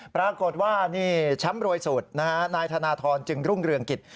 ปรากฏว่าฉ้ำรวยสุดนายถนธรจึงรุ้งเรืองกิจ